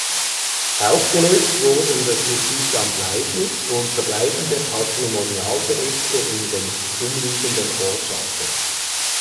Aufgelöst wurden das Justizamt Leisnig und verbleibende Patrimonialgerichte in den umliegenden Ortschaften.